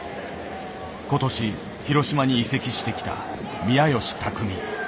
今年広島に移籍してきた宮吉拓実。